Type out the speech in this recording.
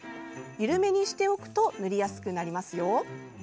緩めにしておくと塗りやすくなりますよ。